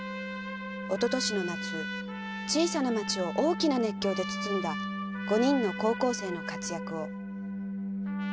おととしの夏小さな町を大きな熱狂で包んだ５人の高校生の活躍を」